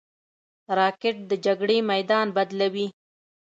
راکټ د جګړې میدان بدلوي